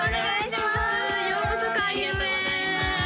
ようこそ開運へありがとうございます